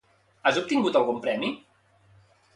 Ha obtingut algun premi?